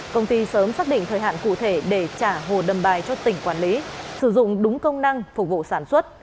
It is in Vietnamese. công ty sớm xác định thời hạn cụ thể để trả hồ đầm bài cho tỉnh quản lý sử dụng đúng công năng phục vụ sản xuất